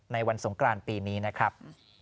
ในวันสงกรานปีนี้นะครับ